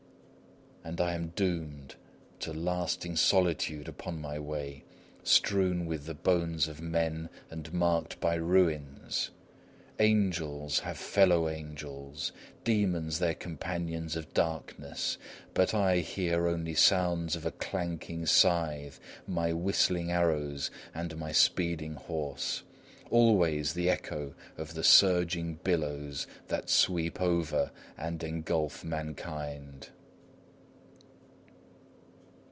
And I am doomed to lasting solitude upon my way, strewn with the bones of men and marked by ruins. Angels have fellow angels; demons their companions of darkness; but I hear only sounds of a clanking scythe, my whistling arrows, and my speeding horse. Always the echo of the surging billows that sweep over and engulf mankind!